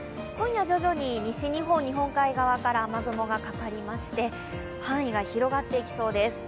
今夜徐々に西日本日本海側から雨雲がかかって範囲が広がっていきそうです。